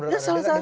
iya salah sasaran